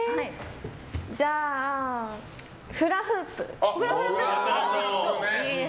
じゃあ、フラフープ。